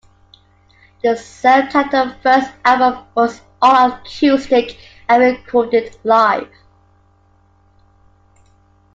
The self-titled first album was all acoustic and recorded live.